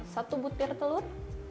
satu butir telur